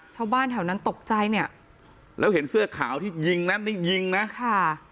ชาวบ้านแถวนั้นตกใจเนี่ยแล้วเห็นเสื้อขาวที่ยิงนั่นนี่ยิงนะค่ะ